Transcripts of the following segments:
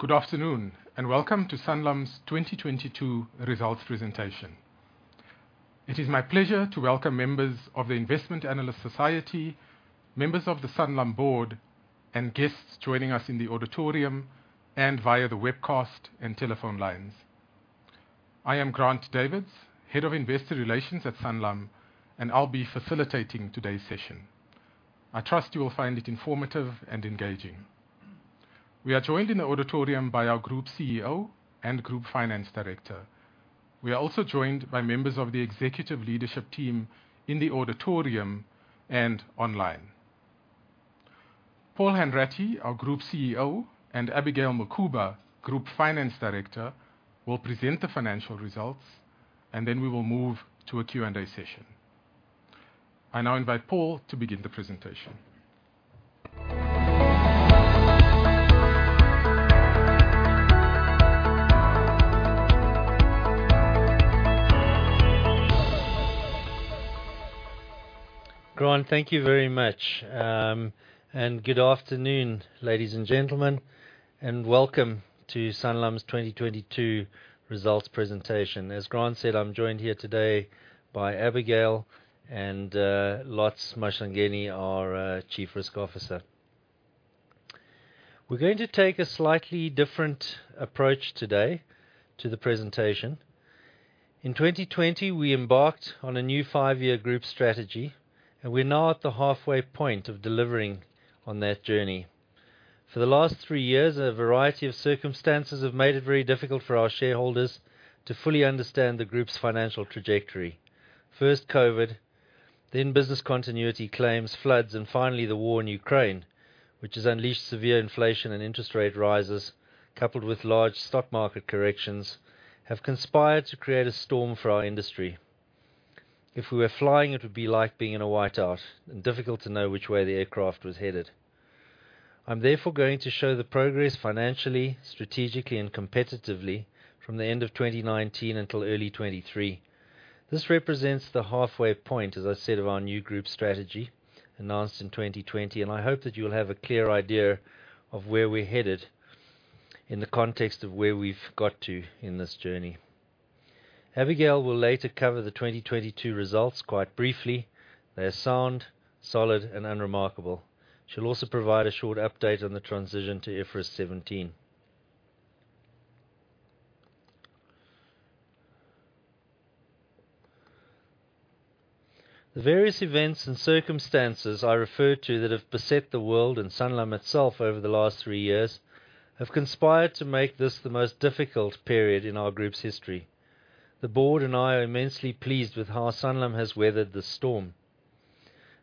Good afternoon, and welcome to Sanlam's 2022 Results Presentation. It is my pleasure to welcome members of the Investment Analysts Society, members of the Sanlam board, and guests joining us in the auditorium and via the webcast and telephone lines. I am Grant Davids, Head of Investor Relations at Sanlam, and I'll be facilitating today's session. I trust you will find it informative and engaging. We are joined in the auditorium by our Group CEO and Group Finance Director. We are also joined by members of the executive leadership team in the auditorium and online. Paul Hanratty, our Group CEO, and Abigail Mukhuba, Group Finance Director, will present the financial results, and then we will move to a Q&A session. I now invite Paul to begin the presentation. Grant, thank you very much. Good afternoon, ladies and gentlemen, and welcome to Sanlam's 2022 results presentation. As Grant said, I'm joined here today by Abigail and Lotz Mahlangeni, our Chief Risk Officer. We're going to take a slightly different approach today to the presentation. In 2020, we embarked on a new five-year group strategy, and we're now at the halfway point of delivering on that journey. For the last 3 years, a variety of circumstances have made it very difficult for our shareholders to fully understand the group's financial trajectory. First COVID, then business continuity claims, floods, and finally, the war in Ukraine, which has unleashed severe inflation and interest rate rises, coupled with large stock market corrections, have conspired to create a storm for our industry. If we were flying, it would be like being in a whiteout and difficult to know which way the aircraft was headed. I'm therefore going to show the progress financially, strategically and competitively from the end of 2019 until early 2023. This represents the halfway point, as I said, of our new group strategy announced in 2020. I hope that you'll have a clear idea of where we're headed in the context of where we've got to in this journey. Abigail will later cover the 2022 results quite briefly. They are sound, solid, and unremarkable. She'll also provide a short update on the transition to IFRS 17. The various events and circumstances I refer to that have beset the world and Sanlam itself over the last three years have conspired to make this the most difficult period in our group's history. The board and I are immensely pleased with how Sanlam has weathered the storm.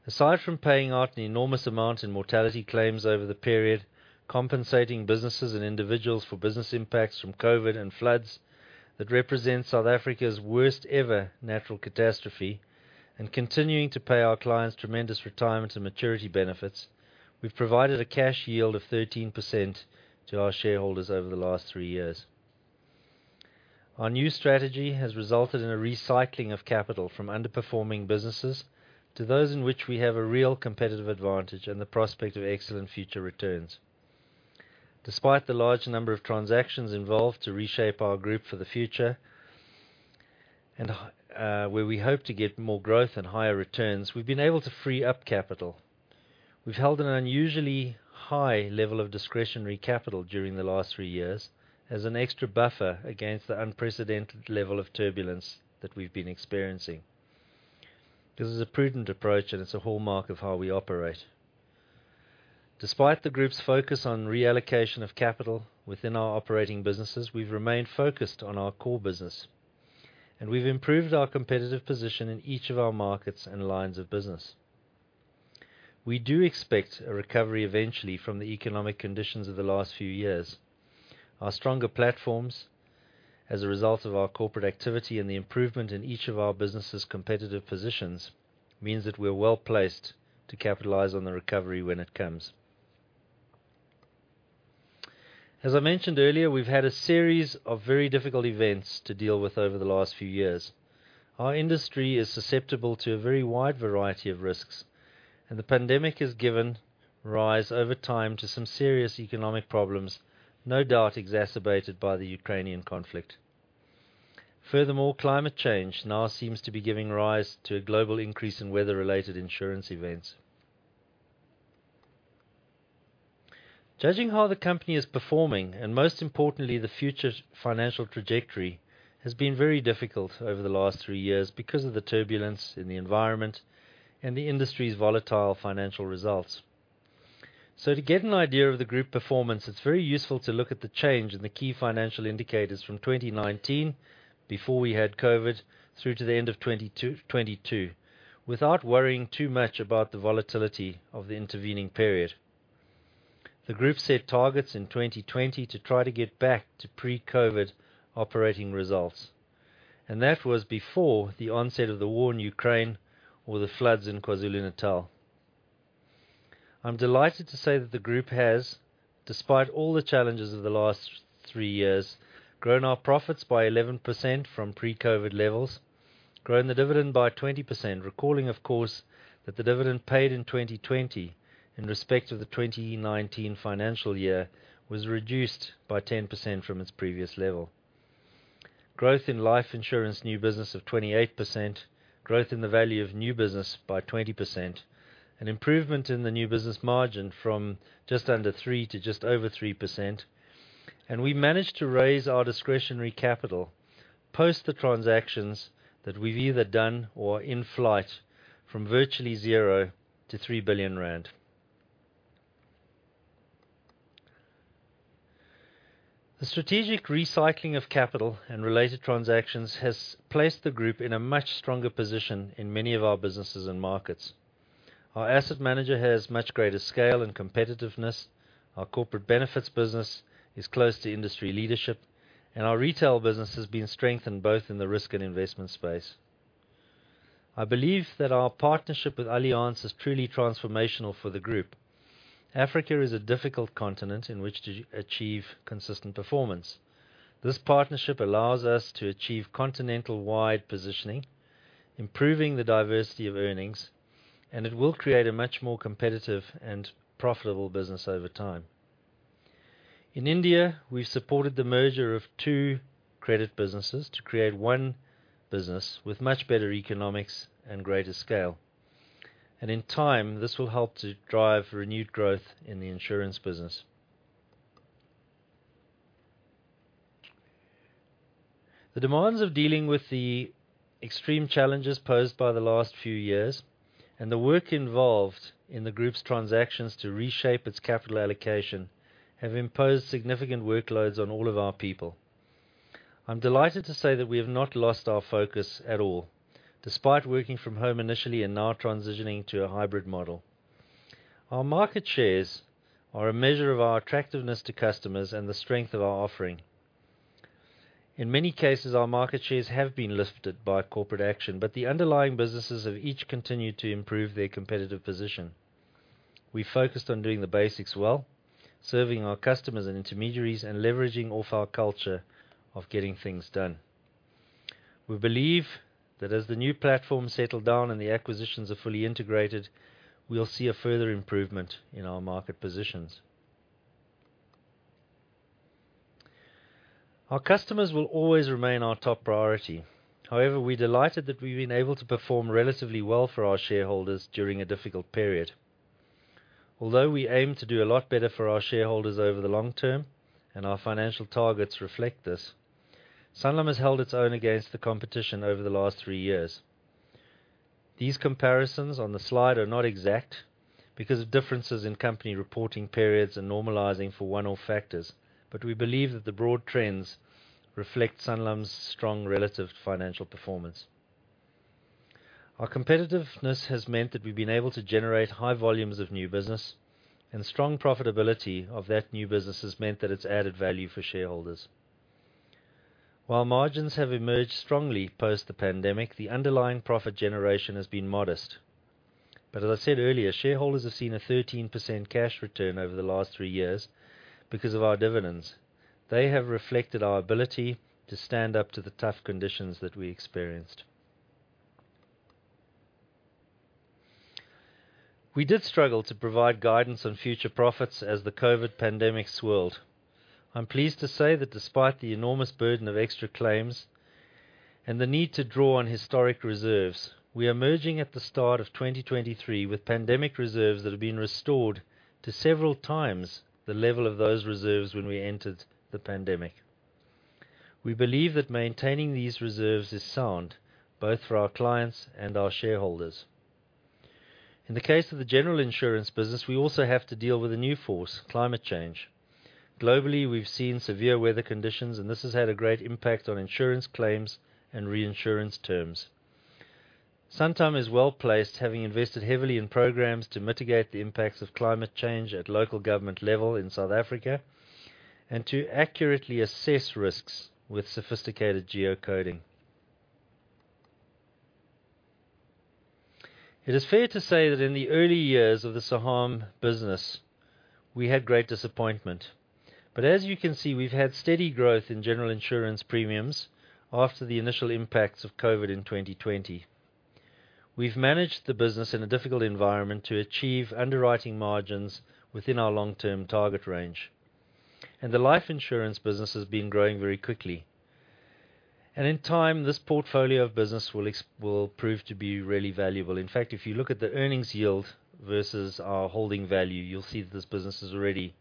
Aside from paying out an enormous amount in mortality claims over the period, compensating businesses and individuals for business impacts from COVID and floods that represent South Africa's worst ever natural catastrophe, and continuing to pay our clients tremendous retirement and maturity benefits. We've provided a cash yield of 13% to our shareholders over the last three years. Our new strategy has resulted in a recycling of capital from underperforming businesses to those in which we have a real competitive advantage and the prospect of excellent future returns. Despite the large number of transactions involved to reshape our group for the future and, where we hope to get more growth and higher returns, we've been able to free up capital. We've held an unusually high level of discretionary capital during the last three years as an extra buffer against the unprecedented level of turbulence that we've been experiencing. This is a prudent approach, and it's a hallmark of how we operate. Despite the group's focus on reallocation of capital within our operating businesses, we've remained focused on our core business, and we've improved our competitive position in each of our markets and lines of business. We do expect a recovery eventually from the economic conditions of the last few years. Our stronger platforms, as a result of our corporate activity and the improvement in each of our businesses' competitive positions, means that we're well-placed to capitalize on the recovery when it comes. As I mentioned earlier, we've had a series of very difficult events to deal with over the last few years. Our industry is susceptible to a very wide variety of risks, and the pandemic has given rise over time to some serious economic problems, no doubt exacerbated by the Ukrainian conflict. Climate change now seems to be giving rise to a global increase in weather-related insurance events. Judging how the company is performing, and most importantly, the future financial trajectory, has been very difficult over the last three years because of the turbulence in the environment and the industry's volatile financial results. To get an idea of the group performance, it's very useful to look at the change in the key financial indicators from 2019 before we had COVID through to the end of 2022, without worrying too much about the volatility of the intervening period. The group set targets in 2020 to try to get back to pre-COVID operating results, and that was before the onset of the war in Ukraine or the floods in KwaZulu-Natal. I'm delighted to say that the group has, despite all the challenges of the last Three years, grown our profits by 11% from pre-COVID levels. Grown the dividend by 20%. Recalling, of course, that the dividend paid in 2020 in respect of the 2019 financial year was reduced by 10% from its previous level. Growth in life insurance new business of 28%. Growth in the value of new business by 20%. An improvement in the new business margin from just under 3% to just over 3%. We managed to raise our discretionary capital, post the transactions that we've either done or are in flight from virtually 0 to 3 billion rand. The strategic recycling of capital and related transactions has placed the group in a much stronger position in many of our businesses and markets. Our asset manager has much greater scale and competitiveness. Our corporate benefits business is close to industry leadership, and our retail business has been strengthened both in the risk and investment space. I believe that our partnership with Allianz is truly transformational for the group. Africa is a difficult continent in which to achieve consistent performance. This partnership allows us to achieve continental wide positioning, improving the diversity of earnings, and it will create a much more competitive and profitable business over time. In India, we've supported the merger of two credit businesses to create one business with much better economics and greater scale. In time, this will help to drive renewed growth in the insurance business. The demands of dealing with the extreme challenges posed by the last few years and the work involved in the group's transactions to reshape its capital allocation have imposed significant workloads on all of our people. I'm delighted to say that we have not lost our focus at all, despite working from home initially and now transitioning to a hybrid model. Our market shares are a measure of our attractiveness to customers and the strength of our offering. In many cases, our market shares have been lifted by corporate action, but the underlying businesses have each continued to improve their competitive position. We focused on doing the basics well, serving our customers and intermediaries, and leveraging off our culture of getting things done. We believe that as the new platforms settle down and the acquisitions are fully integrated, we'll see a further improvement in our market positions. Our customers will always remain our top priority. However, we're delighted that we've been able to perform relatively well for our shareholders during a difficult period. Although we aim to do a lot better for our shareholders over the long term, and our financial targets reflect this, Sanlam has held its own against the competition over the last 3 years. These comparisons on the slide are not exact because of differences in company reporting periods and normalizing for one-off factors, but we believe that the broad trends reflect Sanlam's strong relative financial performance. Our competitiveness has meant that we've been able to generate high volumes of new business, and the strong profitability of that new business has meant that it's added value for shareholders. While margins have emerged strongly post the pandemic, the underlying profit generation has been modest. As I said earlier, shareholders have seen a 13% cash return over the last 3 years because of our dividends. They have reflected our ability to stand up to the tough conditions that we experienced. We did struggle to provide guidance on future profits as the COVID pandemic swirled. I'm pleased to say that despite the enormous burden of extra claims and the need to draw on historic reserves, we are merging at the start of 2023 with pandemic reserves that have been restored to several times the level of those reserves when we entered the pandemic. We believe that maintaining these reserves is sound, both for our clients and our shareholders. In the case of the general insurance business, we also have to deal with a new force, climate change. Globally, we've seen severe weather conditions. This has had a great impact on insurance claims and reinsurance terms. Santam is well-placed, having invested heavily in programs to mitigate the impacts of climate change at local government level in South Africa and to accurately assess risks with sophisticated geocoding. It is fair to say that in the early years of the Saham business, we had great disappointment. As you can see, we've had steady growth in general insurance premiums after the initial impacts of COVID in 2020. We've managed the business in a difficult environment to achieve underwriting margins within our long-term target range. The life insurance business has been growing very quickly. In time, this portfolio of business will prove to be really valuable. In fact, if you look at the earnings yield versus our holding value, you'll see that this business is already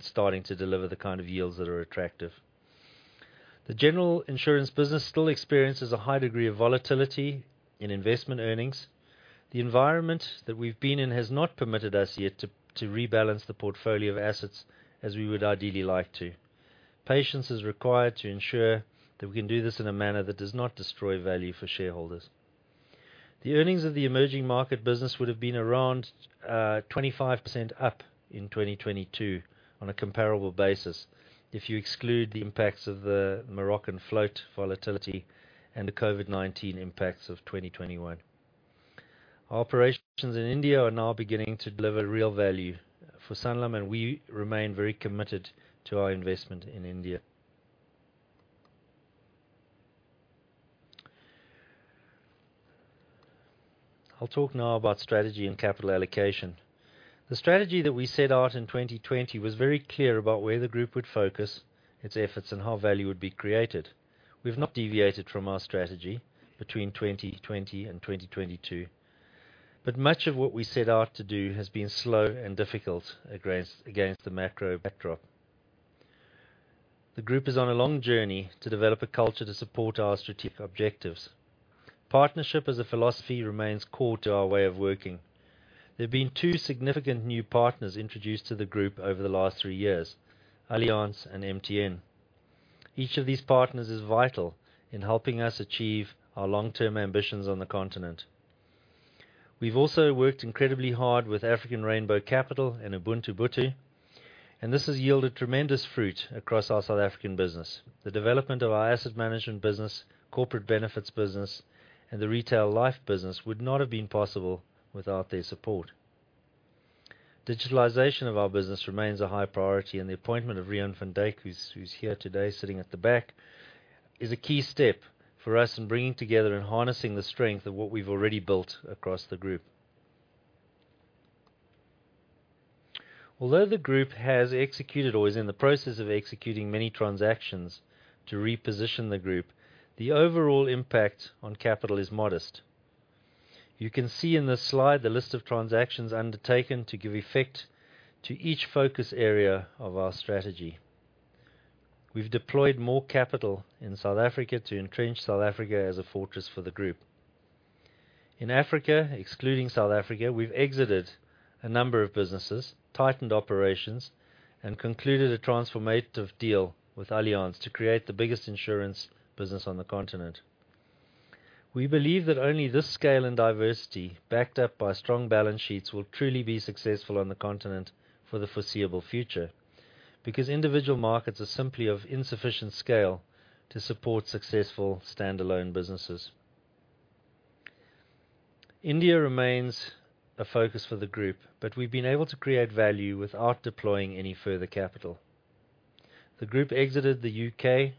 starting to deliver the kind of yields that are attractive. The general insurance business still experiences a high degree of volatility in investment earnings. The environment that we've been in has not permitted us yet to rebalance the portfolio of assets as we would ideally like to. Patience is required to ensure that we can do this in a manner that does not destroy value for shareholders. The earnings of the emerging market business would have been around 25% up in 2022 on a comparable basis if you exclude the impacts of the Moroccan float volatility and the COVID-19 impacts of 2021. Our operations in India are now beginning to deliver real value for Sanlam, and we remain very committed to our investment in India. I'll talk now about strategy and capital allocation. The strategy that we set out in 2020 was very clear about where the group would focus its efforts and how value would be created. We've not deviated from our strategy between 2020 and 2022, but much of what we set out to do has been slow and difficult against the macro backdrop. The group is on a long journey to develop a culture to support our strategic objectives. Partnership as a philosophy remains core to our way of working. There have been two significant new partners introduced to the group over the last three years, Allianz and MTN. Each of these partners is vital in helping us achieve our long-term ambitions on the continent. We've also worked incredibly hard with African Rainbow Capital and Ubuntu-Botho, and this has yielded tremendous fruit across our South African business. The development of our asset management business, corporate benefits business, and the retail life business would not have been possible without their support. Digitalization of our business remains a high priority. The appointment of Rian van Dyk, who's here today sitting at the back, is a key step for us in bringing together and harnessing the strength of what we've already built across the group. Although the group has executed or is in the process of executing many transactions to reposition the group, the overall impact on capital is modest. You can see in this slide the list of transactions undertaken to give effect to each focus area of our strategy. We've deployed more capital in South Africa to entrench South Africa as a fortress for the group. In Africa, excluding South Africa, we've exited a number of businesses, tightened operations, and concluded a transformative deal with Allianz to create the biggest insurance business on the continent. We believe that only this scale and diversity, backed up by strong balance sheets, will truly be successful on the continent for the foreseeable future, because individual markets are simply of insufficient scale to support successful standalone businesses. India remains a focus for the group, but we've been able to create value without deploying any further capital. The group exited the U.K.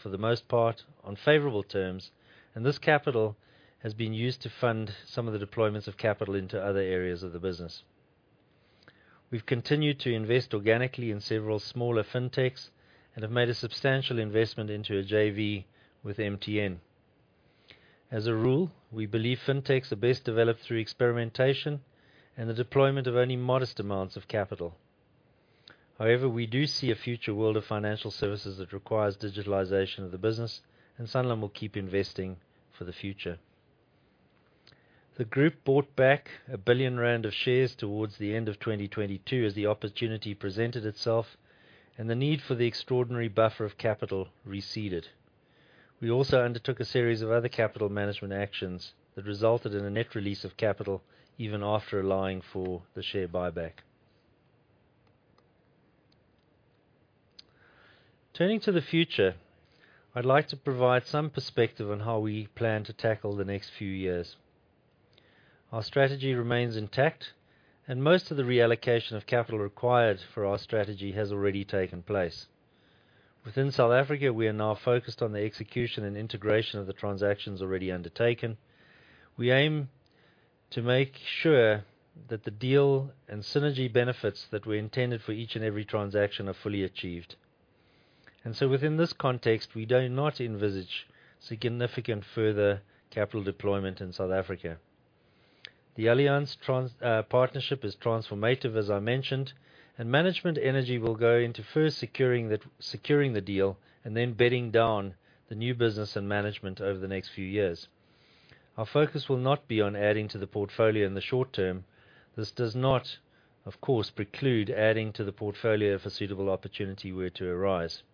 for the most part on favorable terms, and this capital has been used to fund some of the deployments of capital into other areas of the business. We've continued to invest organically in several smaller fintechs and have made a substantial investment into a JV with MTN. As a rule, we believe fintechs are best developed through experimentation and the deployment of only modest amounts of capital. However, we do see a future world of financial services that requires digitalization of the business, and Sanlam will keep investing for the future. The group bought back 1 billion rand of shares towards the end of 2022 as the opportunity presented itself and the need for the extraordinary buffer of capital receded. We also undertook a series of other capital management actions that resulted in a net release of capital even after allowing for the share buyback. Turning to the future, I'd like to provide some perspective on how we plan to tackle the next few years. Our strategy remains intact, and most of the reallocation of capital required for our strategy has already taken place. Within South Africa, we are now focused on the execution and integration of the transactions already undertaken. We aim to make sure that the deal and synergy benefits that were intended for each and every transaction are fully achieved. Within this context, we do not envisage significant further capital deployment in South Africa. The Allianz partnership is transformative, as I mentioned, and management energy will go into first securing the deal and then bedding down the new business and management over the next few years. Our focus will not be on adding to the portfolio in the short term. This does not, of course, preclude adding to the portfolio if a suitable opportunity were to arise.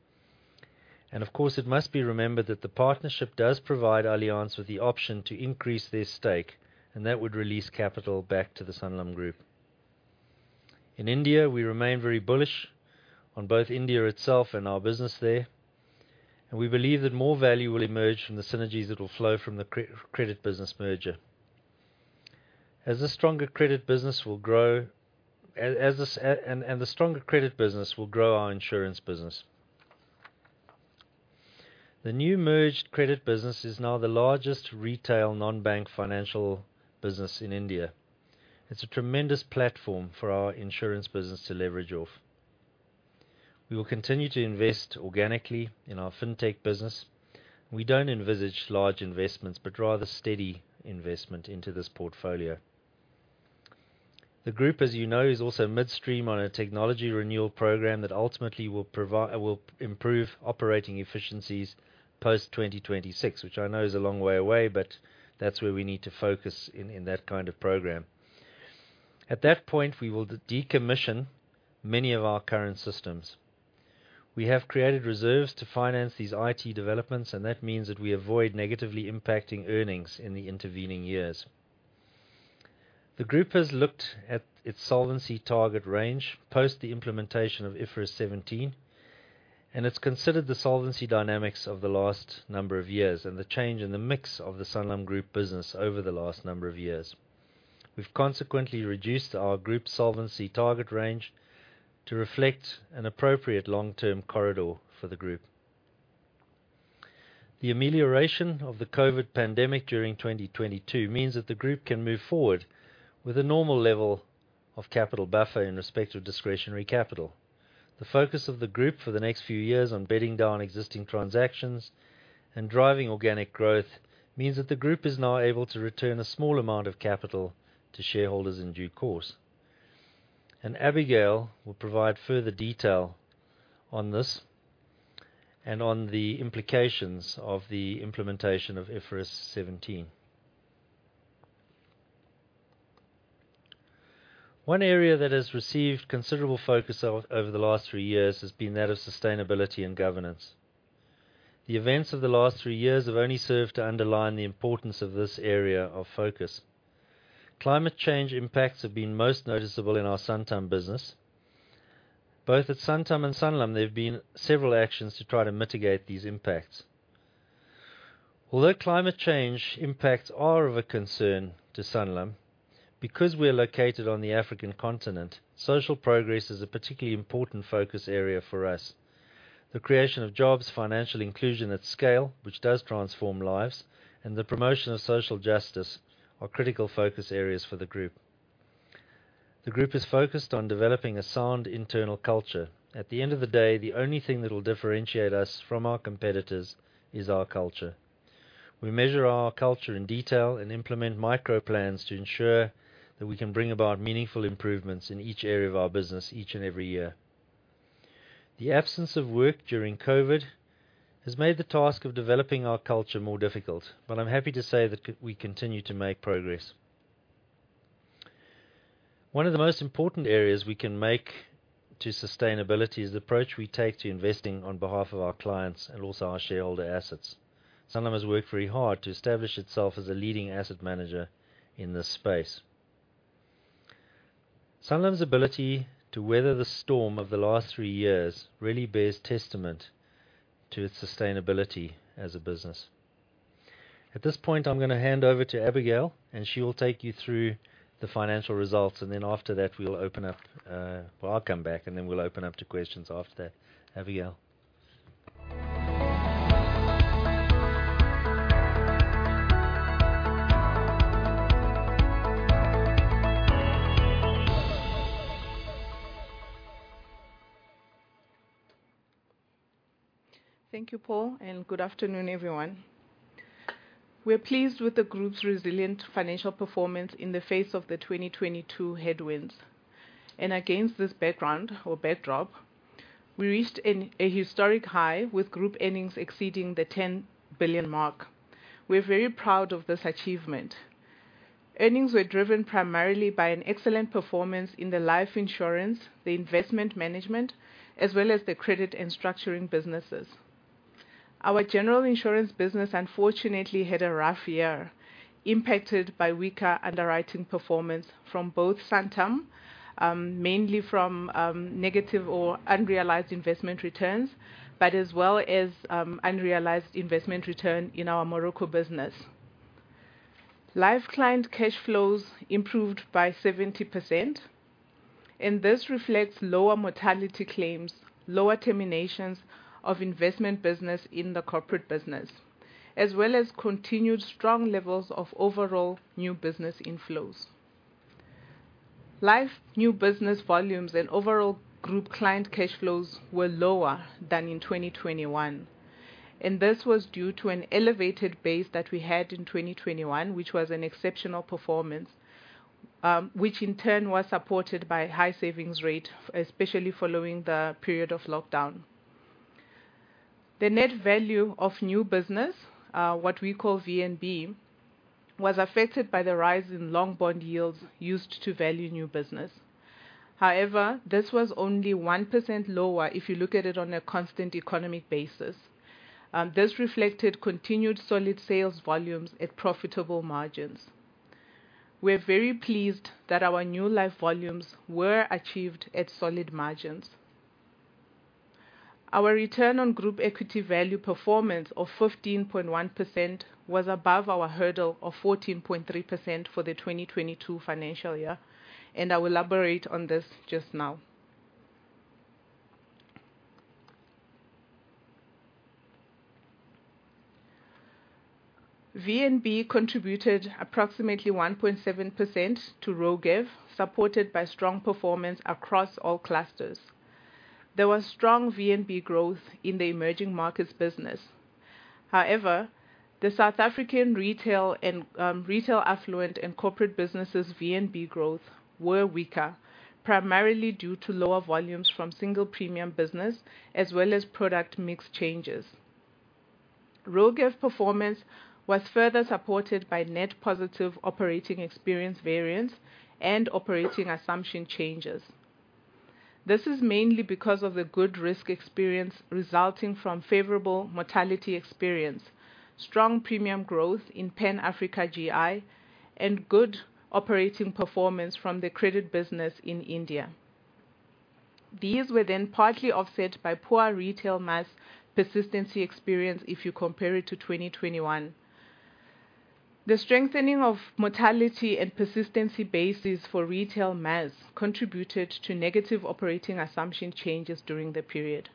Of course, it must be remembered that the partnership does provide Allianz with the option to increase their stake, and that would release capital back to the Sanlam Group. In India, we remain very bullish on both India itself and our business there, and we believe that more value will emerge from the synergies that will flow from the credit business merger. The stronger credit business will grow as this, and the stronger credit business will grow our insurance business. The new merged credit business is now the largest retail non-bank financial business in India. It's a tremendous platform for our insurance business to leverage off. We will continue to invest organically in our fintech business. We don't envisage large investments, but rather steady investment into this portfolio. The group, as you know, is also midstream on a technology renewal program that ultimately will. Will improve operating efficiencies post 2026, which I know is a long way away, but that's where we need to focus in that kind of program. At that point, we will decommission many of our current systems. We have created reserves to finance these IT developments. That means that we avoid negatively impacting earnings in the intervening years. The group has looked at its solvency target range post the implementation of IFRS 17. It's considered the solvency dynamics of the last number of years and the change in the mix of the Sanlam Group business over the last number of years. We've consequently reduced our group solvency target range to reflect an appropriate long-term corridor for the group. The amelioration of the COVID pandemic during 2022 means that the group can move forward with a normal level of capital buffer in respect of discretionary capital. The focus of the group for the next few years on bedding down existing transactions and driving organic growth means that the group is now able to return a small amount of capital to shareholders in due course. Abigail will provide further detail on this and on the implications of the implementation of IFRS 17. One area that has received considerable focus over the last three years has been that of sustainability and governance. The events of the last three years have only served to underline the importance of this area of focus. Climate change impacts have been most noticeable in our Santam business. Both at Santam and Sanlam, there have been several actions to try to mitigate these impacts. Although climate change impacts are of a concern to Sanlam, because we're located on the African continent, social progress is a particularly important focus area for us. The creation of jobs, financial inclusion at scale, which does transform lives, and the promotion of social justice are critical focus areas for the group. The group is focused on developing a sound internal culture. At the end of the day, the only thing that will differentiate us from our competitors is our culture. We measure our culture in detail and implement micro plans to ensure that we can bring about meaningful improvements in each area of our business each and every year. The absence of work during COVID has made the task of developing our culture more difficult, but I'm happy to say that we continue to make progress. One of the most important areas we can make to sustainability is the approach we take to investing on behalf of our clients and also our shareholder assets. Sanlam has worked very hard to establish itself as a leading asset manager in this space. Sanlam's ability to weather the storm of the last three years really bears testament to its sustainability as a business. At this point, I'm gonna hand over to Abigail, and she will take you through the financial results, and then after that, we'll open up. Well, I'll come back, and then we'll open up to questions after that. Abigail. Thank you, Paul, good afternoon, everyone. We're pleased with the group's resilient financial performance in the face of the 2022 headwinds. Against this background or backdrop, we reached a historic high with group earnings exceeding the 10 billion mark. We're very proud of this achievement. Earnings were driven primarily by an excellent performance in the life insurance, the investment management, as well as the credit and structuring businesses. Our general insurance business unfortunately had a r ough year, impacted by weaker underwriting performance from both Santam, mainly from negative or unrealized investment returns, but as well as unrealized investment return in our Morocco business. Life client cash flows improved by 70%, this reflects lower mortality claims, lower terminations of investment business in the corporate business, as well as continued strong levels of overall new business inflows. Life new business volumes and overall group client cash flows were lower than in 2021. This was due to an elevated base that we had in 2021, which was an exceptional performance, which in turn was supported by high savings rate, especially following the period of lockdown. The net value of new business, what we call VNB, was affected by the rise in long bond yields used to value new business. However, this was only 1% lower if you look at it on a constant economic basis. This reflected continued solid sales volumes at profitable margins. We're very pleased that our new life volumes were achieved at solid margins. Our return on group equity value performance of 15.1% was above our hurdle of 14.3% for the 2022 financial year. I'll elaborate on this just now. VNB contributed approximately 1.7% to ROGEV, supported by strong performance across all clusters. There was strong VNB growth in the emerging markets business. However, the South African retail and retail affluent and corporate businesses VNB growth were weaker, primarily due to lower volumes from single premium business as well as product mix changes. ROGEV performance was further supported by net positive operating experience variance and operating assumption changes. This is mainly because of the good risk experience resulting from favorable mortality experience, strong premium growth in Pan-Africa GI, and good operating performance from the credit business in India. These were partly offset by poor retail mass persistency experience if you compare it to 2021. The strengthening of mortality and persistency bases for retail mass contributed to negative operating assumption changes during the period.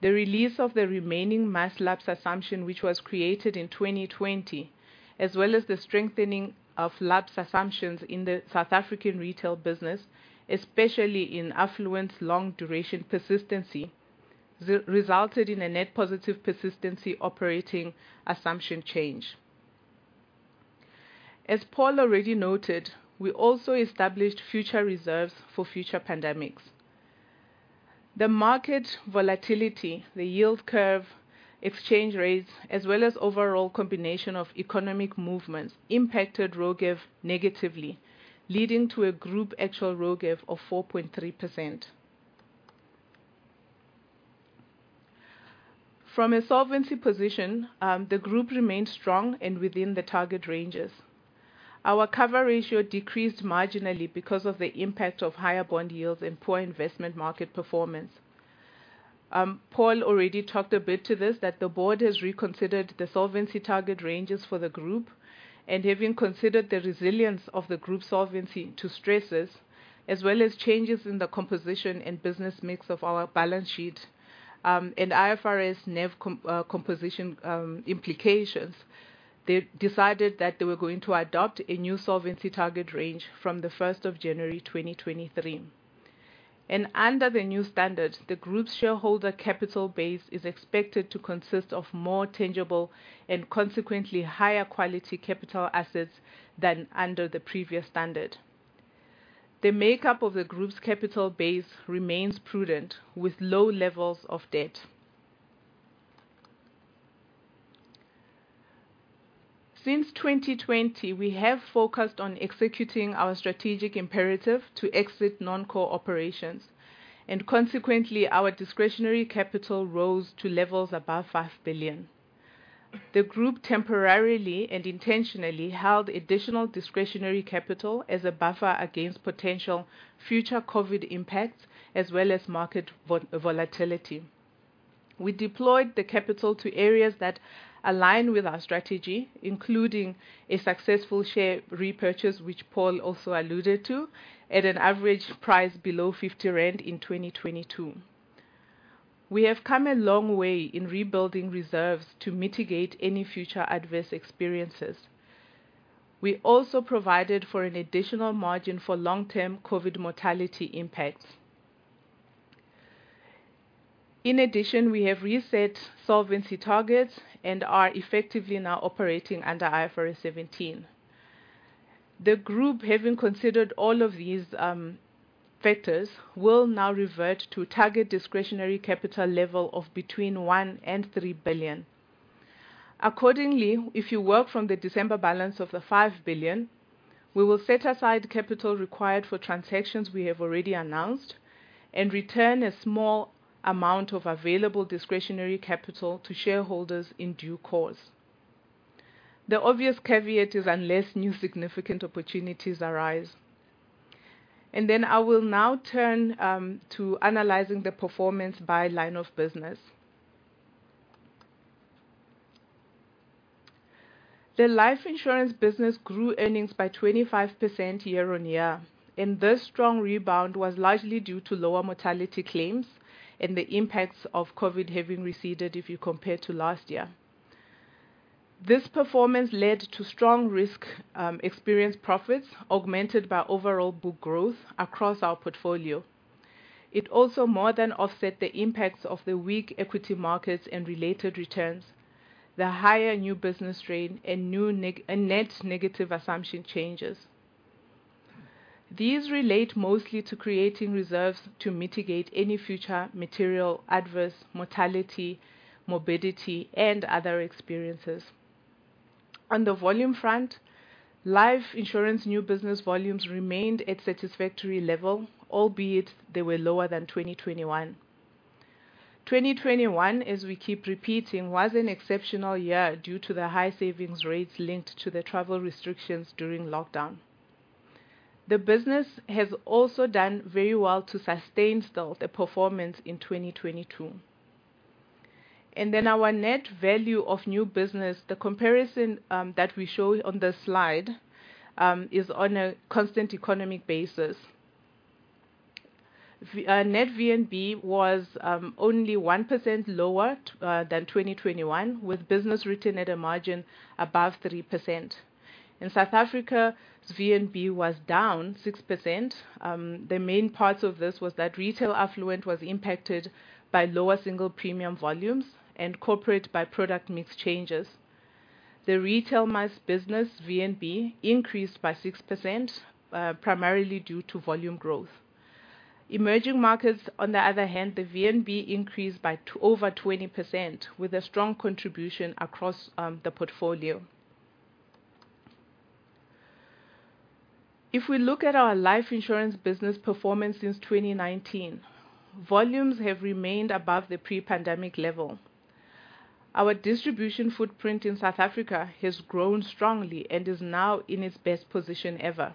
The release of the remaining mass lapse assumption, which was created in 2020, as well as the strengthening of lapse assumptions in the South African retail business, especially in affluent long duration persistency, re-resulted in a net positive persistency operating assumption change. As Paul already noted, we also established future reserves for future pandemics. The market volatility, the yield curve, exchange rates as well as overall combination of economic movements impacted RoGEV negatively, leading to a group actual RoGEV of 4.3%. From a solvency position, the group remained strong and within the target ranges. Our cover ratio decreased marginally because of the impact of higher bond yields and poor investment market performance. Paul already talked a bit to this, that the board has reconsidered the solvency target ranges for the group and having considered the resilience of the group solvency to stresses as well as changes in the composition and business mix of our balance sheet, and IFRS NAV composition implications. They decided that they were going to adopt a new solvency target range from the first of January 2023. Under the new standard, the group's shareholder capital base is expected to consist of more tangible and consequently higher quality capital assets than under the previous standard. The makeup of the group's capital base remains prudent, with low levels of debt. Since 2020, we have focused on executing our strategic imperative to exit non-core operations and consequently, our discretionary capital rose to levels above 5 billion. The group temporarily and intentionally held additional discretionary capital as a buffer against potential future COVID impacts, as well as market volatility. We deployed the capital to areas that align with our strategy, including a successful share repurchase, which Paul also alluded to, at an average price below 50 rand in 2022. We have come a long way in rebuilding reserves to mitigate any future adverse experiences. We also provided for an additional margin for long-term COVID mortality impacts. We have reset solvency targets and are effectively now operating under IFRS 17. The group, having considered all of these factors, will now revert to target discretionary capital level of between 1 billion and 3 billion. Accordingly, if you work from the December balance of 5 billion, we will set aside capital required for transactions we have already announced and return a small amount of available discretionary capital to shareholders in due course. The obvious caveat is unless new significant opportunities arise. I will now turn to analyzing the performance by line of business. The life insurance business grew earnings by 25% year-on-year, this strong rebound was largely due to lower mortality claims and the impacts of COVID having receded if you compare to last year. This performance led to strong risk experience profits augmented by overall book growth across our portfolio. It also more than offset the impacts of the weak equity markets and related returns, the higher new business rate and net negative assumption changes. These relate mostly to creating reserves to mitigate any future material adverse mortality, morbidity and other experiences. On the volume front, life insurance new business volumes remained at satisfactory level, albeit they were lower than 2021. 2021, as we keep repeating, was an exceptional year due to the high savings rates linked to the travel restrictions during lockdown. The business has also done very well to sustain still the performance in 2022. Our net value of new business. The comparison that we show on the slide is on a constant economic basis. Net VNB was only 1% lower than 2021, with business written at a margin above 3%. In South Africa, VNB was down 6%. The main parts of this was that retail affluent was impacted by lower single premium volumes and corporate by product mix changes. The retail mass business VNB increased by 6%, primarily due to volume growth. Emerging markets, on the other hand, the VNB increased by over 20% with a strong contribution across the portfolio. If we look at our life insurance business performance since 2019, volumes have remained above the pre-pandemic level. Our distribution footprint in South Africa has grown strongly and is now in its best position ever.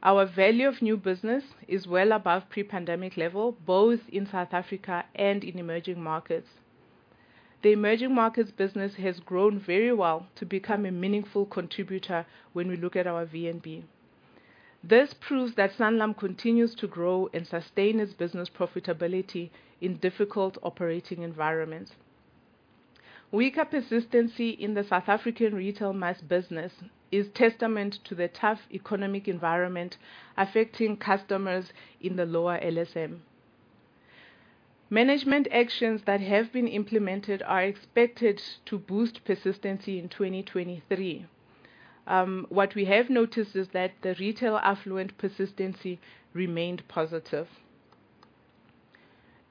Our value of new business is well above pre-pandemic level, both in South Africa and in emerging markets. The emerging markets business has grown very well to become a meaningful contributor when we look at our VNB. This proves that Sanlam continues to grow and sustain its business profitability in difficult operating environments. Weaker persistency in the South African retail mass business is testament to the tough economic environment affecting customers in the lower LSM. Management actions that have been implemented are expected to boost persistency in 2023. What we have noticed is that the retail affluent persistency remained positive.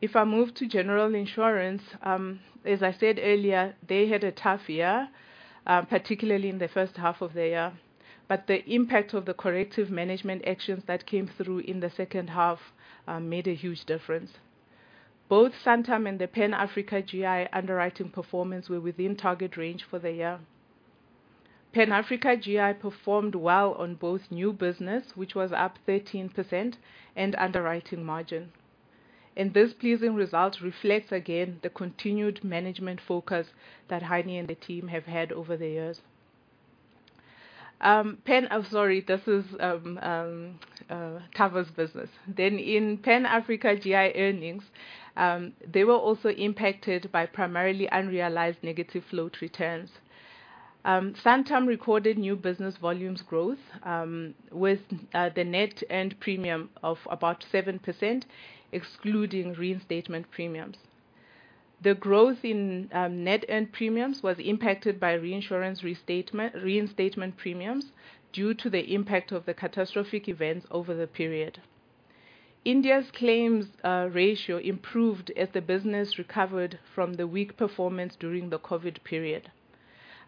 If I move to general insurance, as I said earlier, they had a tough year, particularly in the first half of the year. The impact of the corrective management actions that came through in the second half made a huge difference. Both Santam and the Pan-Africa GI underwriting performance were within target range for the year. Pan-Africa GI performed well on both new business, which was up 13% and underwriting margin. This pleasing result reflects again the continued management focus that Heinie and the team have had over the years. I'm sorry, this is covers business. In Pan-Africa GI earnings, they were also impacted by primarily unrealized negative float returns. Santam recorded new business volumes growth with the net earned premium of about 7% excluding reinstatement premiums. The growth in net earned premiums was impacted by reinsurance restatement, reinstatement premiums due to the impact of the catastrophic events over the period. India's claims ratio improved as the business recovered from the weak performance during the COVID period.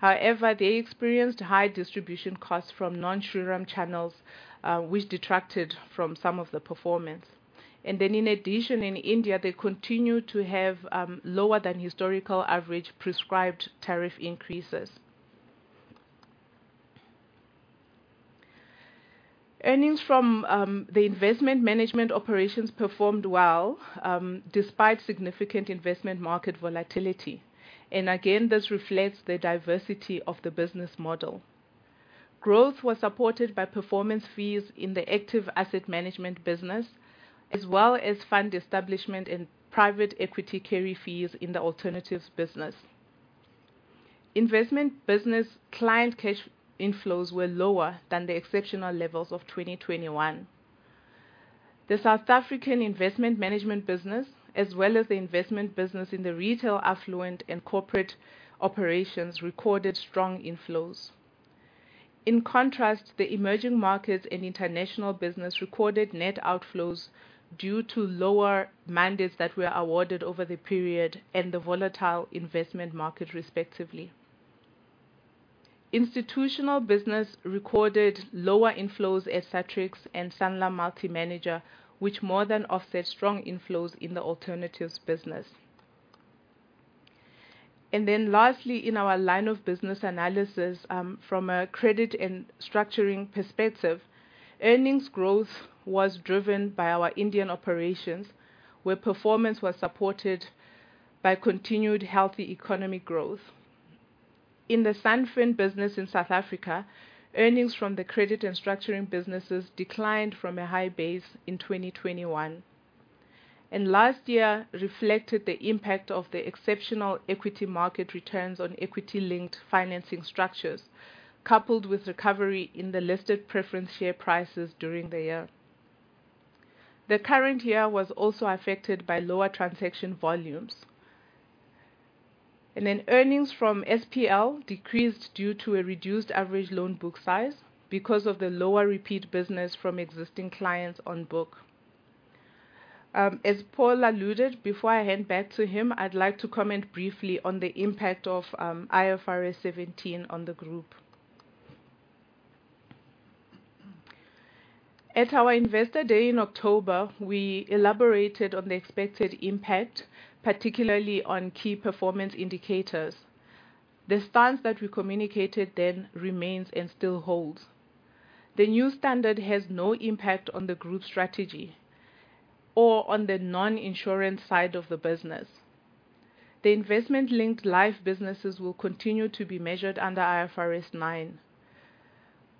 They experienced high distribution costs from non-Shriram channels, which detracted from some of the performance. In addition, in India, they continue to have lower than historical average prescribed tariff increases. Earnings from the investment management operations performed well despite significant investment market volatility. This reflects the diversity of the business model. Growth was supported by performance fees in the active asset management business, as well as fund establishment and private equity carry fees in the alternatives business. Investment business client cash inflows were lower than the exceptional levels of 2021. The South African investment management business, as well as the investment business in the retail affluent and corporate operations, recorded strong inflows. In contrast, the emerging markets and international business recorded net outflows due to lower mandates that were awarded over the period and the volatile investment market, respectively. Institutional business recorded lower inflows at Satrix and Sanlam Investments Multi-Manager, which more than offset strong inflows in the alternatives business. Lastly, in our line of business analysis, from a credit and structuring perspective, earnings growth was driven by our Indian operations, where performance was supported by continued healthy economy growth. In the Sanlam business in South Africa, earnings from the credit and structuring businesses declined from a high base in 2021. Last year reflected the impact of the exceptional equity market returns on equity-linked financing structures, coupled with recovery in the listed preference share prices during the year. The current year was also affected by lower transaction volumes. Earnings from SPL decreased due to a reduced average loan book size because of the lower repeat business from existing clients on book. As Paul alluded, before I hand back to him, I'd like to comment briefly on the impact of IFRS 17 on the group. At our Investor Day in October, we elaborated on the expected impact, particularly on key performance indicators. The stance that we communicated then remains and still holds. The new standard has no impact on the group strategy or on the non-insurance side of the business. The investment linked life businesses will continue to be measured under IFRS 9.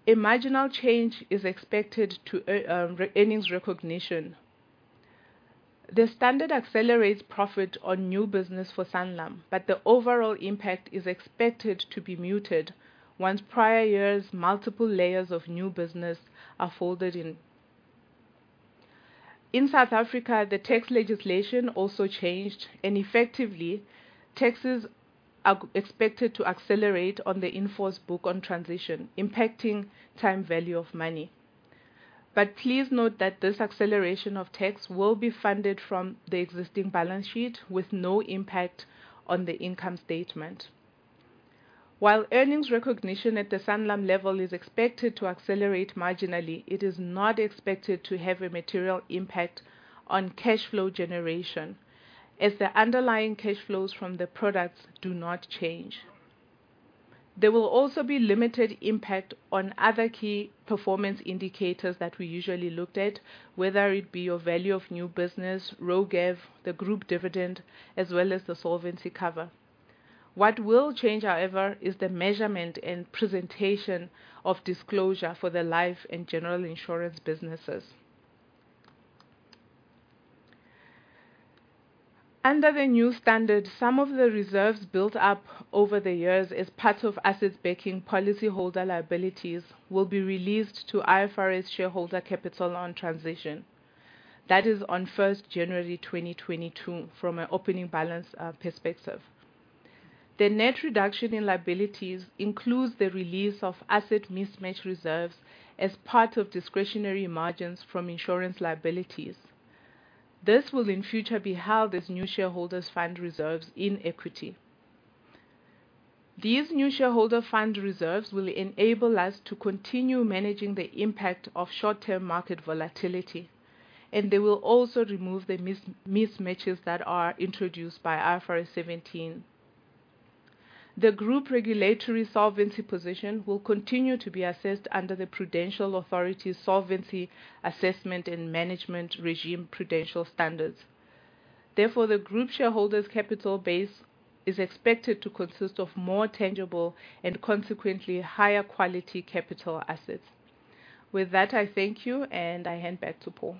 A marginal change is expected to earnings recognition. The standard accelerates profit on new business for Sanlam, but the overall impact is expected to be muted once prior years' multiple layers of new business are folded in. In South Africa, the tax legislation also changed and effectively taxes are expected to accelerate on the in-force book on transition, impacting time value of money. Please note that this acceleration of tax will be funded from the existing balance sheet with no impact on the income statement. While earnings recognition at the Sanlam level is expected to accelerate marginally, it is not expected to have a material impact on cash flow generation, as the underlying cash flows from the products do not change. There will also be limited impact on other key performance indicators that we usually looked at, whether it be your value of new business, RoGEV, the group dividend, as well as the solvency cover. What will change, however, is the measurement and presentation of disclosure for the life and general insurance businesses. Under the new standard, some of the reserves built up over the years as part of assets backing policyholder liabilities will be released to IFRS shareholder capital on transition. That is on 1st January 2022 from an opening balance perspective. The net reduction in liabilities includes the release of asset mismatch reserves as part of discretionary margins from insurance liabilities. This will in future be held as new shareholders fund reserves in equity. These new shareholder fund reserves will enable us to continue managing the impact of short-term market volatility. They will also remove the mismatches that are introduced by IFRS 17. The group regulatory solvency position will continue to be assessed under the Prudential Authority Solvency Assessment and Management regime Prudential standards. The group shareholders capital base is expected to consist of more tangible and consequently higher quality capital assets. With that, I thank you and I hand back to Paul.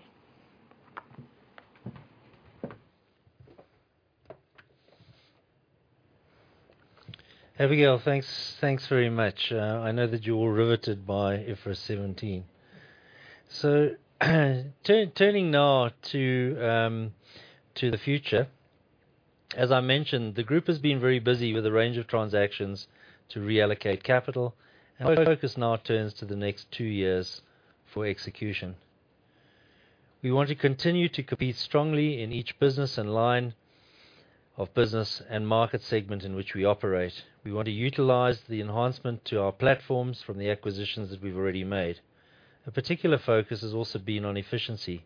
Abigail, thanks very much. I know that you're riveted by IFRS 17. Turning now to the future. As I mentioned, the Group has been very busy with a range of transactions to reallocate capital, and our focus now turns to the next 2 years for execution. We want to continue to compete strongly in each business and line of business and market segment in which we operate. We want to utilize the enhancement to our platforms from the acquisitions that we've already made. A particular focus has also been on efficiency.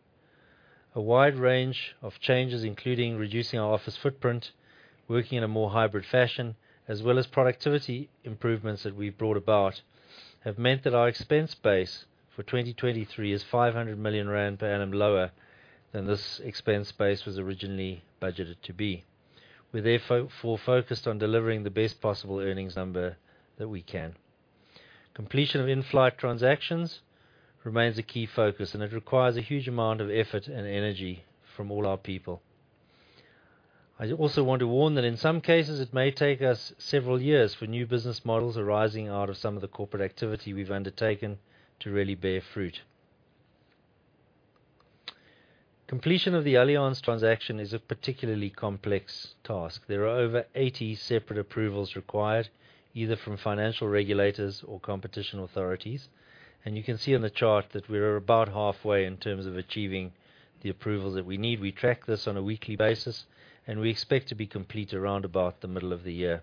A wide range of changes, including reducing our office footprint, working in a more hybrid fashion, as well as productivity improvements that we brought about, have meant that our expense base for 2023 is 500 million rand per annum lower than this expense base was originally budgeted to be. We're therefore focused on delivering the best possible earnings number that we can. Completion of in-flight transactions remains a key focus, and it requires a huge amount of effort and energy from all our people. I also want to warn that in some cases, it may take us several years for new business models arising out of some of the corporate activity we've undertaken to really bear fruit. Completion of the Allianz transaction is a particularly complex task. There are over 80 separate approvals required, either from financial regulators or competition authorities, and you can see on the chart that we are about halfway in terms of achieving the approvals that we need. We track this on a weekly basis, and we expect to be complete around about the middle of the year.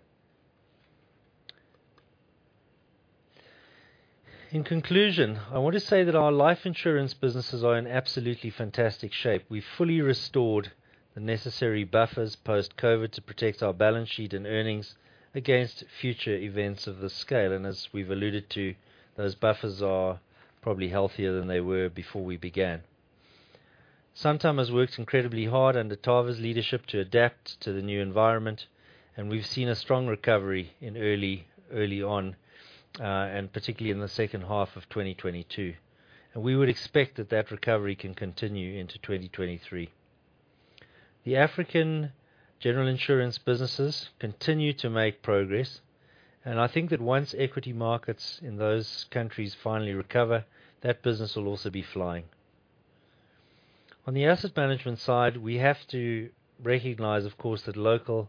In conclusion, I want to say that our life insurance businesses are in absolutely fantastic shape. We've fully restored the necessary buffers post-COVID to protect our balance sheet and earnings against future events of this scale. As we've alluded to, those buffers are probably healthier than they were before we began. Santam has worked incredibly hard under Tava's leadership to adapt to the new environment, and we've seen a strong recovery early on, and particularly in the second half of 2022. We would expect that that recovery can continue into 2023. The African general insurance businesses continue to make progress, and I think that once equity markets in those countries finally recover, that business will also be flying. On the asset management side, we have to recognize, of course, that local and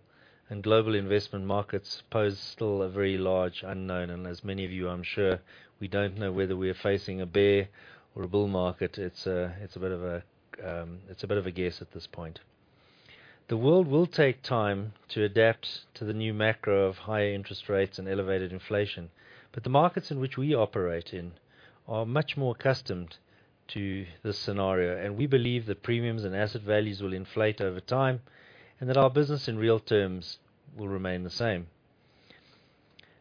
global investment markets pose still a very large unknown, and as many of you, I'm sure we don't know whether we are facing a bear or a bull market. It's a bit of a guess at this point. The world will take time to adapt to the new macro of higher interest rates and elevated inflation. The markets in which we operate in are much more accustomed to this scenario, and we believe that premiums and asset values will inflate over time and that our business in real terms will remain the same.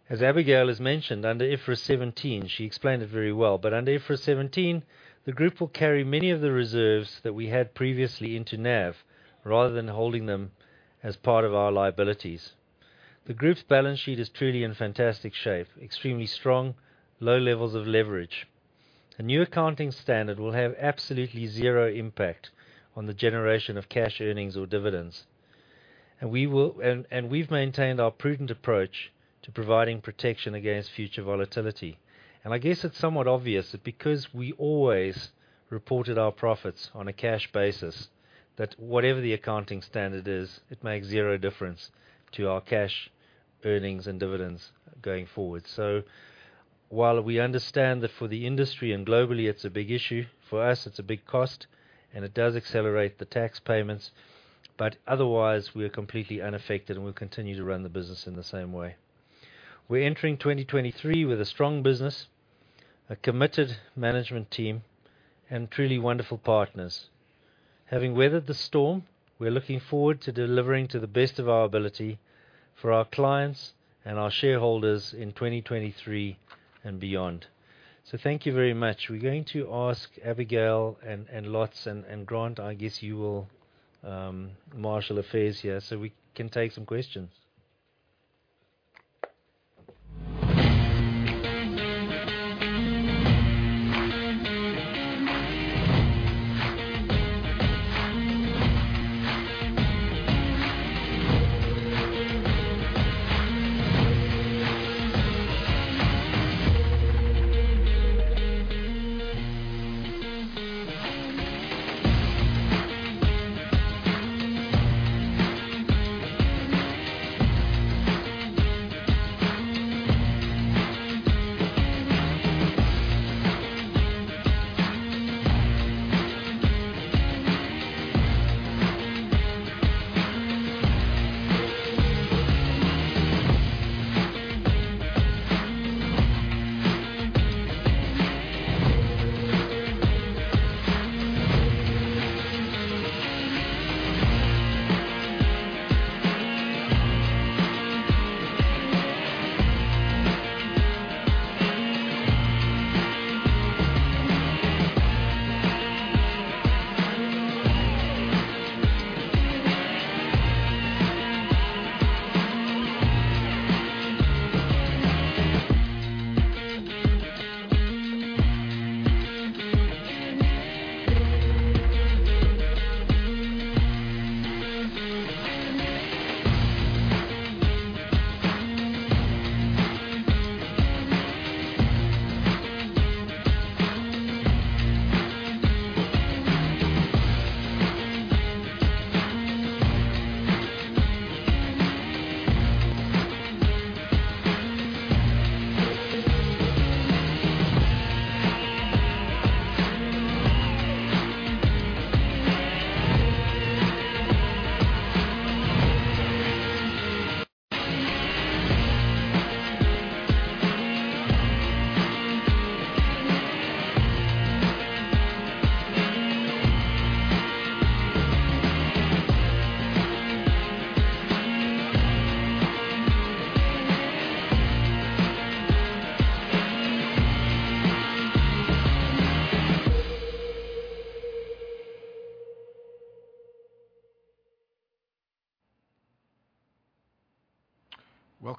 As Abigail has mentioned, under IFRS 17, she explained it very well. Under IFRS 17, the group will carry many of the reserves that we had previously into NAV rather than holding them as part of our liabilities. The group's balance sheet is truly in fantastic shape, extremely strong, low levels of leverage. A new accounting standard will have absolutely zero impact on the generation of cash earnings or dividends. We've maintained our prudent approach to providing protection against future volatility. I guess it's somewhat obvious that because we always reported our profits on a cash basis, that whatever the accounting standard is, it makes zero difference to our cash earnings and dividends going forward. While we understand that for the industry and globally it's a big issue, for us it's a big cost and it does accelerate the tax payments. Otherwise we are completely unaffected and we'll continue to run the business in the same way. We're entering 2023 with a strong business, a committed management team, and truly wonderful partners. Having weathered the storm, we're looking forward to delivering to the best of our ability for our clients and our shareholders in 2023 and beyond. Thank you very much. We're going to ask Abigail and Lotz and Grant, I guess you will marshal affairs here so we can take some questions.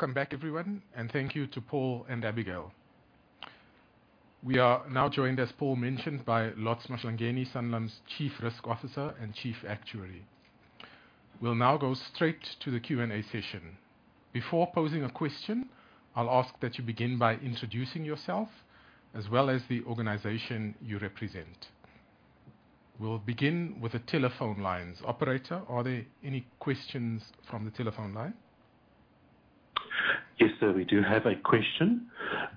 Welcome back, everyone, and thank you to Paul and Abigail. We are now joined, as Paul mentioned, by Lotz Mahlangeni, Sanlam's Chief Risk Officer and Chief Actuary. We'll now go straight to the Q&A session. Before posing a question, I'll ask that you begin by introducing yourself as well as the organization you represent. We'll begin with the telephone lines. Operator, are there any questions from the telephone line? Yes, sir. We do have a question,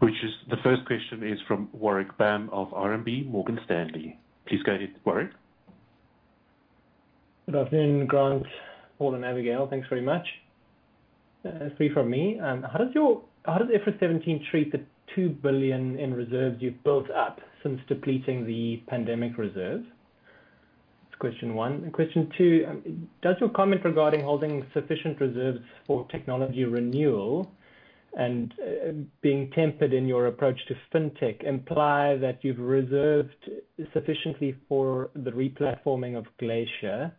which is, the first question is from Warwick Bam of RMB Morgan Stanley. Please go ahead, Warwick. Good afternoon, Grant, Paul, and Abigail. Thanks very much. Three from me. How does IFRS 17 treat the 2 billion in reserves you've built up since depleting the pandemic reserve? That's question one. Question two, does your comment regarding holding sufficient reserves for technology renewal and being tempered in your approach to fintech imply that you've reserved sufficiently for the replatforming of Glacier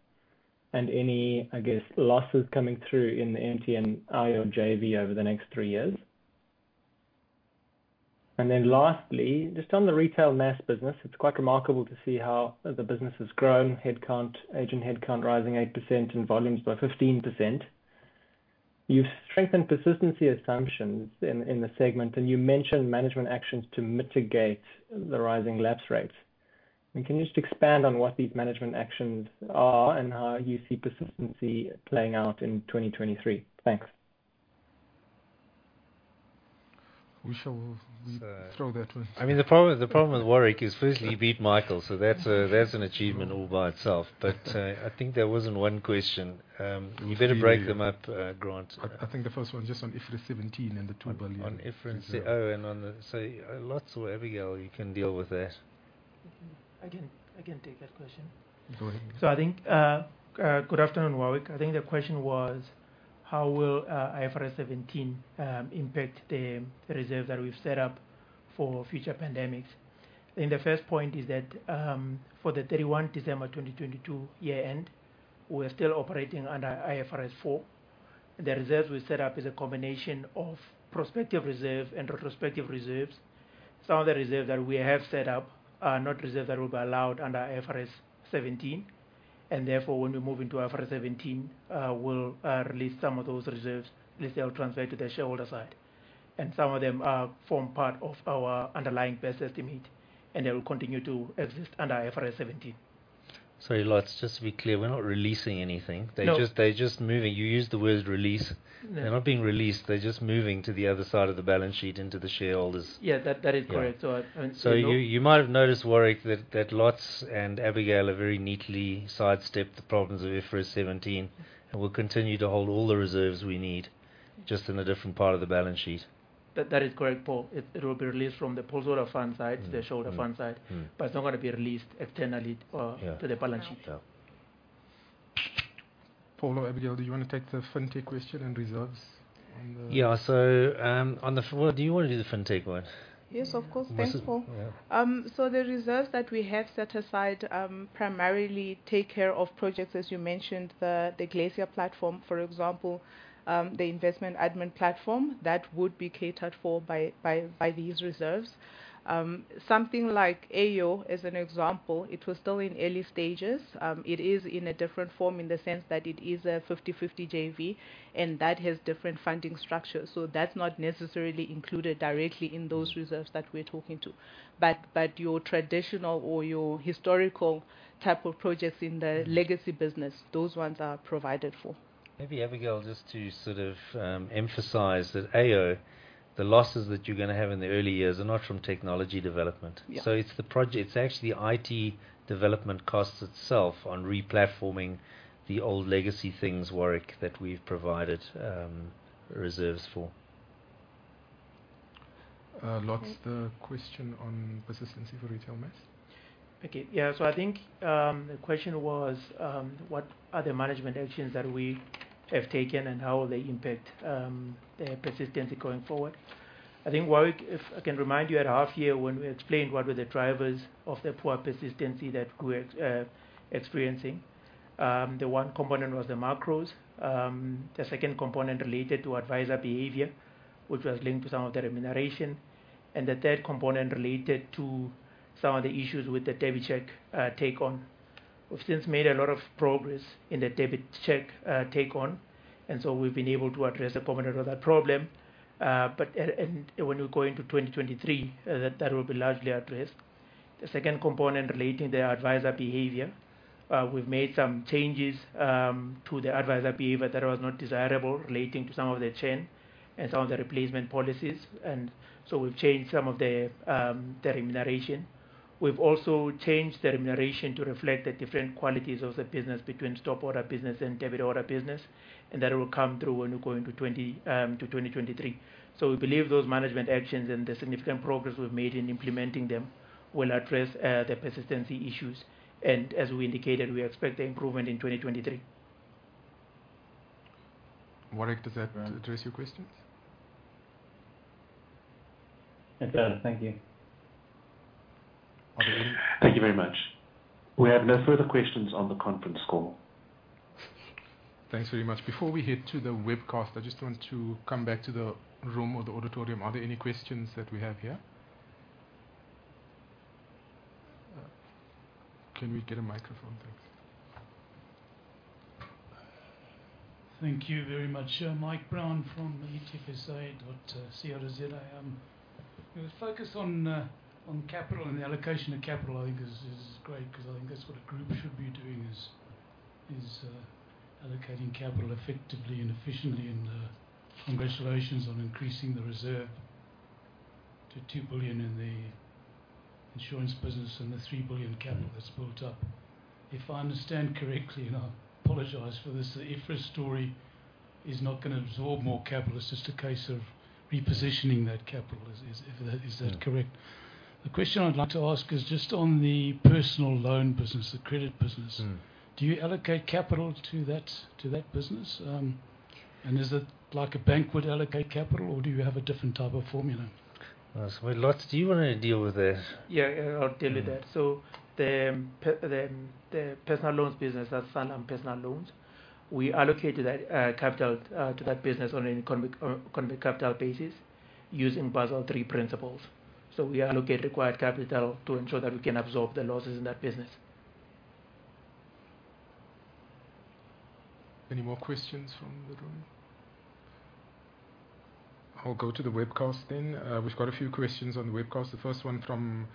and any, I guess, losses coming through in the MTN aYo JV over the next 3 years? Lastly, just on the retail mass business, it's quite remarkable to see how the business has grown. Headcount, agent headcount rising 8% and volumes by 15%. You've strengthened persistency assumptions in the segment, and you mentioned management actions to mitigate the rising lapse rates. Can you just expand on what these management actions are and how you see persistency playing out in 2023? Thanks. We shall throw that to- I mean, the problem with Warwick is firstly, he beat Michael, so that's an achievement all by itself. I think there wasn't one question. You better break them up, Grant. I think the first one just on IFRS 17 and the 2 billion. Lotz or Abigail, you can deal with that. I can take that question. Go ahead. I think, good afternoon, Warwick. I think the question was how will IFRS 17 impact the reserves that we've set up for future pandemics. I think the first point is that for the 31 December 2022 year end, we're still operating under IFRS 4. The reserves we set up is a combination of prospective reserve and retrospective reserves. Some of the reserves that we have set up are not reserves that will be allowed under IFRS 17, therefore, when we move into IFRS 17, we'll release some of those reserves. At least they'll transfer to the shareholder side. Some of them form part of our underlying best estimate, and they will continue to exist under IFRS 17. Sorry, Lotz, just to be clear, we're not releasing anything. No. They just, they're just moving. You used the word release. No. They're not being released, they're just moving to the other side of the balance sheet into the shareholders. Yeah. That is correct. Yeah. I understand, Paul. You might have noticed, Warwick, that Lotz and Abigail have very neatly sidestepped the problems of IFRS 17, and we'll continue to hold all the reserves we need, just in a different part of the balance sheet. That is correct, Paul. It will be released from the postal fund. Mm-hmm. to the shareholder fund side. Mm-hmm. It's not gonna be released externally. Yeah. to the balance sheet. Yeah. Paul or Abigail, do you wanna take the Fintech question and reserves? Yeah. Well, do you wanna do the Fintech one? Yes, of course. Mustn't... Thanks, Paul. Yeah. The reserves that we have set aside, primarily take care of projects, as you mentioned, the Glacier platform, for example, the investment admin platform. That would be catered for by these reserves. Something like AO as an example, it was still in early stages. It is in a different form in the sense that it is a 50/50 JV, that has different funding structures. That's not necessarily included directly in those reserves that we're talking to. Your traditional or your historical type of projects in the legacy business, those ones are provided for. Maybe, Abigail, just to sort of, emphasize that AO, the losses that you're gonna have in the early years are not from technology development. Yeah. It's actually IT development costs itself on replatforming the old legacy things, Warwick, that we've provided reserves for. Lotz, the question on persistency for retail mix. Okay. Yeah. I think the question was, what are the management actions that we have taken and how will they impact persistency going forward? I think, Warwick, if I can remind you at half year when we explained what were the drivers of the poor persistency that we're experiencing. The one component was the macros. The second component related to advisor behavior, which was linked to some of the remuneration. The third component related to some of the issues with the DebiCheck take-on. We've since made a lot of progress in the DebiCheck take-on, and so we've been able to address a component of that problem. When we go into 2023, that will be largely addressed. The second component relating to the advisor behavior. We've made some changes to the advisor behavior that was not desirable relating to some of the churn and some of the replacement policies. We've changed some of the remuneration. We've also changed the remuneration to reflect the different qualities of the business between stop order business and debit order business. That will come through when we go into 2023. We believe those management actions and the significant progress we've made in implementing them will address the persistency issues. As we indicated, we expect an improvement in 2023. Warwick, does that address your questions? It does. Thank you. Operator? Thank you very much. We have no further questions on the conference call. Thanks very much. Before we head to the webcast, I just want to come back to the room or the auditorium. Are there any questions that we have here? Can we get a microphone? Thanks. Thank you very much. Mike Brown from the TFSA.co.za. The focus on capital and the allocation of capital I think is great 'cause I think that's what a group should be doing is allocating capital effectively and efficiently and congratulations on increasing the reserve to 2 billion in the insurance business and the 3 billion capital that's built up. If I understand correctly, and I apologize for this, the IFRS story is not gonna absorb more capital, it's just a case of repositioning that capital. Is that correct? Yeah. The question I'd like to ask is just on the personal loan business, the credit business. Mm. Do you allocate capital to that business? Is it like a bank would allocate capital or do you have a different type of formula? Lotz, do you wanna deal with this? Yeah. I'll deal with that. Yeah. The personal loans business, that's Sanlam Personal Loans, we allocate to that capital to that business on economic capital basis using Basel III principles. We allocate required capital to ensure that we can absorb the losses in that business. Any more questions from the room? I'll go to the webcast. We've got a few questions on the webcast. The first one from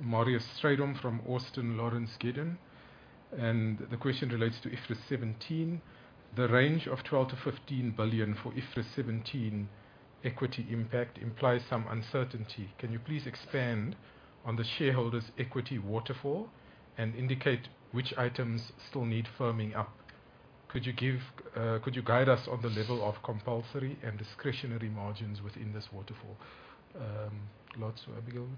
Marius Strydom from Austin Lawrence Gidon, the question relates to IFRS 17. The range of 12 billion-15 billion for IFRS 17 equity impact implies some uncertainty. Can you please expand on the shareholder's equity waterfall and indicate which items still need firming up? Could you guide us on the level of compulsory and discretionary margins within this waterfall? Lotz or Abigail?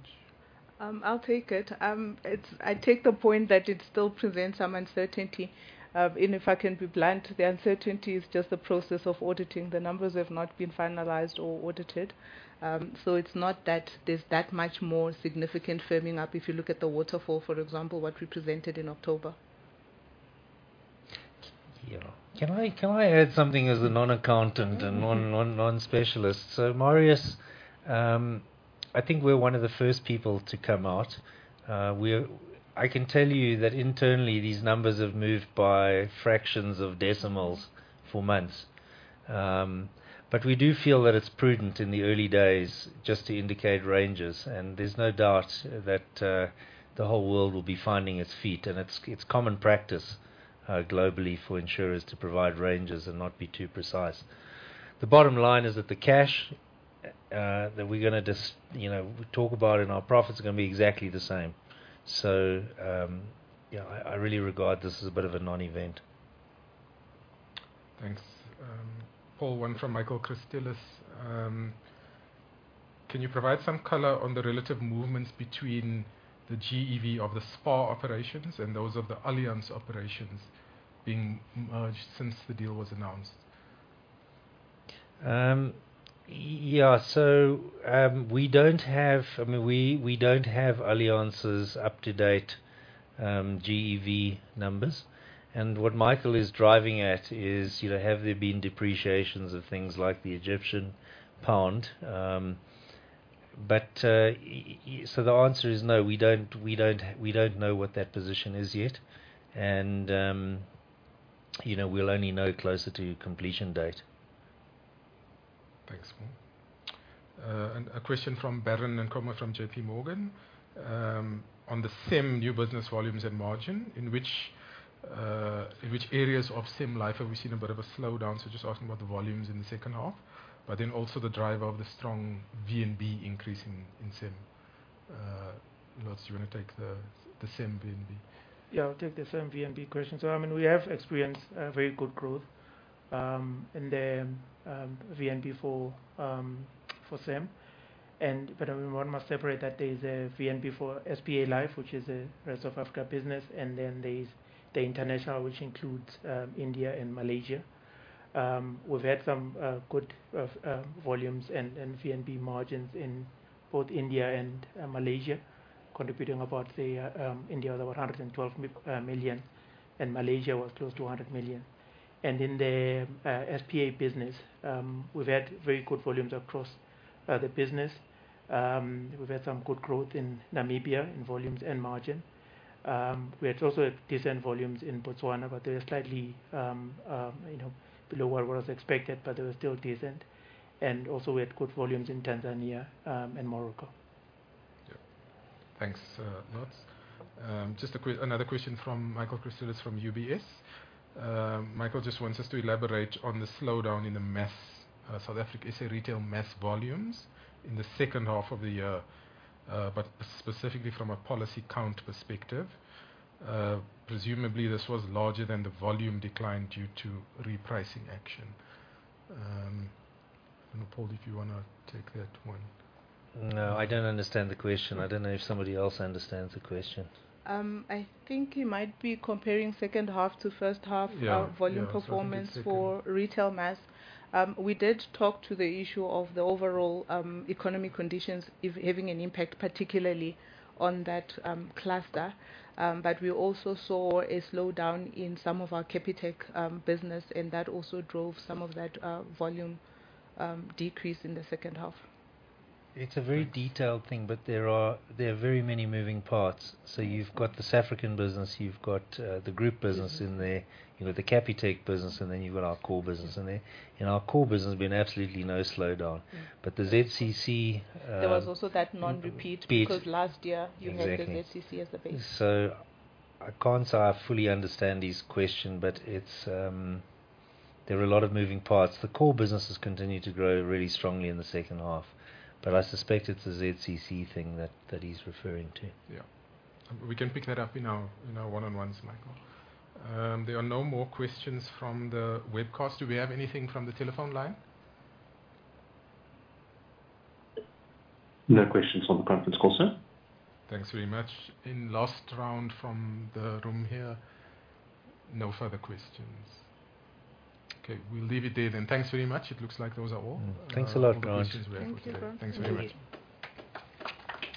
I'll take it. I take the point that it still presents some uncertainty. If I can be blunt, the uncertainty is just the process of auditing. The numbers have not been finalized or audited. It's not that there's that much more significant firming up if you look at the waterfall, for example, what we presented in October. Yeah. Can I add something as a non-accountant and non-specialist? Marius, I think we're one of the first people to come out. I can tell you that internally these numbers have moved by fractions of decimals for months. But we do feel that it's prudent in the early days just to indicate ranges, and there's no doubt that the whole world will be finding its feet. It's common practice globally for insurers to provide ranges and not be too precise. The bottom line is that the cash that we're gonna just, you know, talk about in our profits are gonna be exactly the same. Yeah, I really regard this as a bit of a non-event. Thanks. Paul, one from Michael Christelis. Can you provide some color on the relative movements between the GEV of the SPA operations and those of the Allianz operations being merged since the deal was announced? Yeah, we don't have, I mean, we don't have Allianz's up-to-date GEV numbers. What Michael is driving at is, you know, have there been depreciations of things like the Egyptian pound? But the answer is no, we don't know what that position is yet. You know, we'll only know closer to completion date. Thanks, Paul. A question from Baron Nkomo from JP Morgan. On the SIM new business volumes and margin, in which areas of SIM life have we seen a bit of a slowdown? Just asking about the volumes in the 2nd half, but then also the driver of the strong VNB increase in SIM. Lotz, do you wanna take the SIM VNB? Yeah. I'll take the SIM VNB question. I mean, we have experienced very good growth in the VNB for SIM. By the way, one must separate that there is a VNB for SPA Life, which is a rest of Africa business, and then there's the international, which includes India and Malaysia. We've had some good volumes and VNB margins in both India and Malaysia, contributing about India the 112 million, and Malaysia was close to 100 million. In the SPA business, we've had very good volumes across the business. We've had some good growth in Namibia in volumes and margin. We had also a decent volumes in Botswana, but they were slightly, you know, below what was expected, but they were still decent. Also we had good volumes in Tanzania and Morocco. Yeah. Thanks, Lotz. Just another question from Michael Christelis from UBS. Michael just wants us to elaborate on the slowdown in the mass South Africa SA retail mass volumes in the second half of the year, but specifically from a policy count perspective. Presumably this was larger than the volume decline due to repricing action. Paul, if you wanna take that one. No, I don't understand the question. I don't know if somebody else understands the question. I think he might be comparing second half to first half. Yeah. of volume performance for retail mass. We did talk to the issue of the overall economy conditions if having an impact particularly on that cluster. We also saw a slowdown in some of our Capitec business, and that also drove some of that volume decrease in the second half. It's a very detailed thing, there are very many moving parts. You've got this African business, you've got the group business in there, you know, the Capitec business, you've got our core business in there. In our core business, there's been absolutely no slowdown. The ZCC. There was also that non-repeat- Repeat. Last year you had the ZCC as the base. I can't say I fully understand his question, but it's, there were a lot of moving parts. The core businesses continued to grow really strongly in the second half, but I suspect it's the ZCC thing that he's referring to. Yeah. We can pick that up in our, in our one-on-ones, Michael. There are no more questions from the webcast. Do we have anything from the telephone line? No questions on the conference call, sir. Thanks very much. In last round from the room here. No further questions. Okay, we'll leave it there then. Thanks very much. It looks like those are all. Thanks a lot, guys. Questions we have for today. Thank you. Thanks very much.